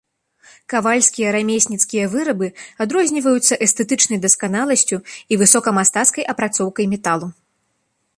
Кавальскія рамесніцкія вырабы адрозніваюцца эстэтычнай дасканаласцю і высокамастацкай апрацоўкай металу.